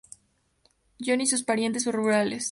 John y sus parientes rurales.